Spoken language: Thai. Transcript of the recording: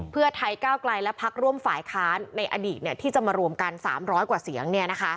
เพื่อไทยก้าวไกลและพักร่วมฝ่ายค้านในอดีตที่จะมารวมกัน๓๐๐กว่าเสียง